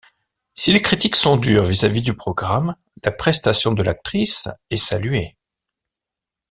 Si les critiques sont dures vis-à-vis du programme, la prestation de l'actrice est saluée.